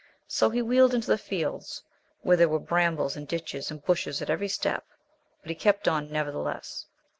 So he wheeled into the fields, where there were brambles and ditches and bushes at every step, but he kept on nevertheless.